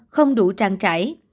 không đủ trang trải